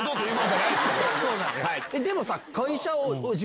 でもさ。